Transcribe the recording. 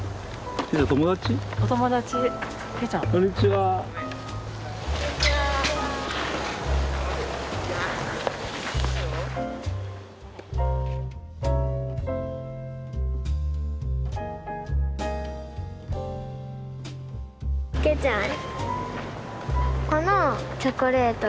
このチョコレートがいい？